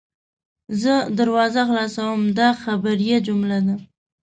زه دروازه خلاصوم – دا خبریه جمله ده.